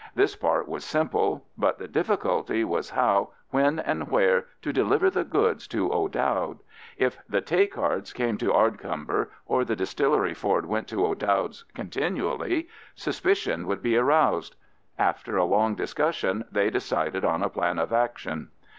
This part was simple, but the difficulty was how, when, and where to deliver the goods to O'Dowd. If the "tay carts" came to Ardcumber, or the distillery Ford went to O'Dowd's continually, suspicion would be aroused. After a long discussion they decided on a plan of action.